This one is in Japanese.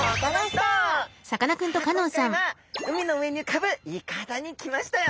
さあ今回は海の上に浮かぶいかだに来ましたよ！